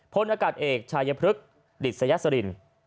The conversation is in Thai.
พลอากาศเอกชายพลึกดิตสยัตริน